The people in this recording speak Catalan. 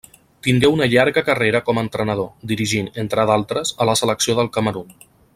Tingué una llarga carrera com a entrenador, dirigint, entre d'altres, a la selecció del Camerun.